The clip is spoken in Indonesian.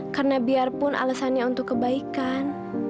karena biarpun alasannya untuk kebaikan